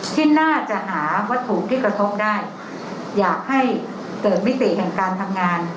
ที่น่าจะหาวัตถุที่กระทบได้อยากให้เกิดมิติแห่งการทำงาน